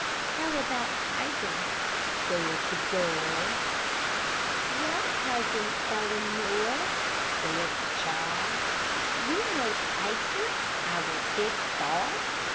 "Tell about Tiger," said the girl. "Well, Cousin Eleanor," said the child, "you know Tiger, our big dog.